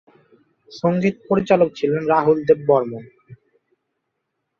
সঙ্গীত পরিচালক ছিলেন রাহুল দেব বর্মণ।